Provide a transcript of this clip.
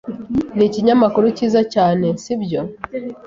Ni ikinyamakuru cyiza cyane, sibyo?